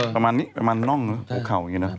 ประมาณนี้ประมาณน่องภูเขาอย่างนี้นะ